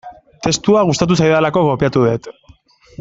Testua gustatu zaidalako kopiatu dut.